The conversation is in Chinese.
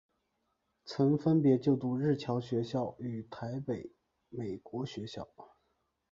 曾分别就读日侨学校与台北美国学校。